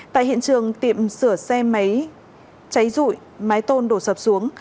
tại hiện trường tiệm sửa xe máy cháy rụi mái tôn đổ sập xuống